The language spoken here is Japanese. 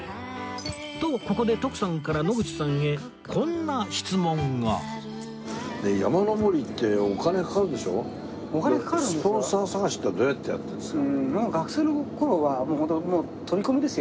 とここで徳さんから野口さんへこんな質問がスポンサー探しってどうやってやってるんですか？